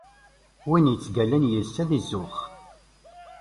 Win yettgallan yis, ad izuxx.